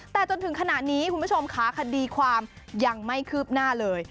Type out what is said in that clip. แต่จนถึงขณะนี้คุณผู้ชมค่ะคดีความยังไม่คืบหน้าเลย